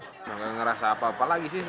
saya tidak merasa apa apa lagi sih